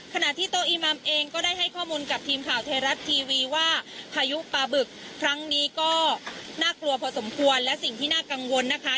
ขณะที่โตอีมัมเองก็ได้ให้ข้อมูลกับทีมข่าวไทยรัฐทีวีว่าพายุปลาบึกครั้งนี้ก็น่ากลัวพอสมควรและสิ่งที่น่ากังวลนะคะ